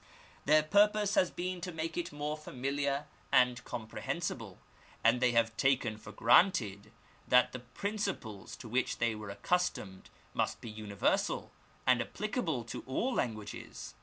Their purpose has been to make it more familiar and comprehensible, and they have taken for granted that the principles to which they were accustomed must be universal, and applicable to all languages.